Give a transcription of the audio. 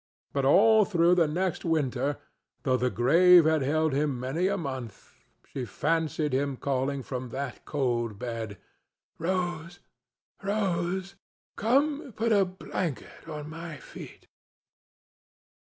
But all through the next winter, though the grave had held him many a month, she fancied him calling from that cold bed, "Rose, Rose! Come put a blanket on my feet!"